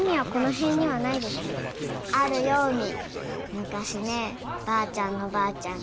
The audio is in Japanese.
むかしねばあちゃんのばあちゃん